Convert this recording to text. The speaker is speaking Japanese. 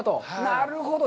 なるほど。